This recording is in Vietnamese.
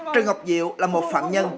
trần ngọc diệu là một phạm nhân